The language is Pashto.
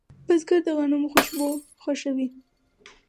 بزګر د غنمو خوشبو خوښوي